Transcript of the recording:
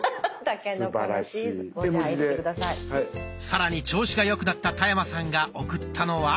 さらに調子が良くなった田山さんが送ったのは。